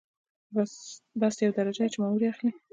بست یوه درجه ده چې مامور یې اخلي.